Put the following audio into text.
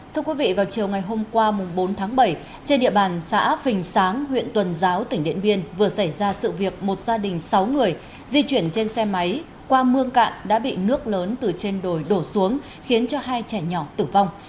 thưa quý vị vào chiều ngày hôm qua bốn tháng bảy trên địa bàn xã phình sáng huyện tuần giáo tỉnh điện biên vừa xảy ra sự việc một gia đình sáu người di chuyển trên xe máy qua mương cạn đã bị nước lớn từ trên đồi đổ xuống khiến cho hai trẻ nhỏ tử vong